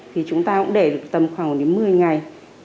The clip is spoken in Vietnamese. thì chúng ta cũng để được tầm khoảng đến một mươi ngày